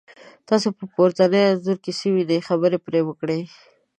تاسو په پورتني انځور کې څه وینی، خبرې پرې وکړئ؟